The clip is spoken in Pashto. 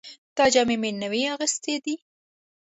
دا جامې مې نوې اخیستې دي